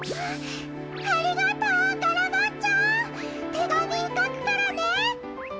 てがみかくからね！